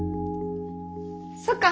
そっか。